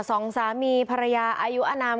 สองสามีภรรยาอายุอนาม